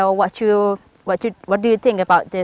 oke jadi apa pendapat anda tentang tempat ini